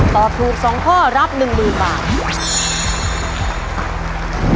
ตอบถูก๒ข้อรับ๑๐๐๐บาท